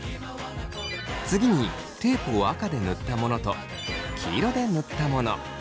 次にテープを赤で塗ったものと黄色で塗ったもの。